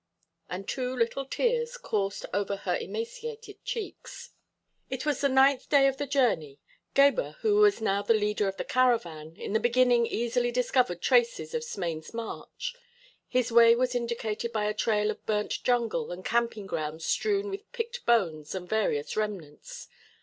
And two little tears coursed over her emaciated cheeks. It was the ninth day of the journey. Gebhr, who was now the leader of the caravan, in the beginning easily discovered traces of Smain's march. His way was indicated by a trail of burnt jungle and camping grounds strewn with picked bones and various remnants.